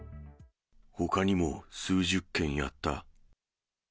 ほかにも数十件やった。